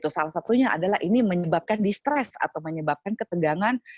salah satunya adalah ini menyebabkan distress atau menyebabkan ketidaksarahan